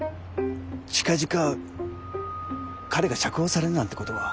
近々彼が釈放されるなんてことは？